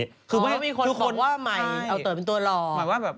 ว่าใหม่เอาเต๋อดีมาก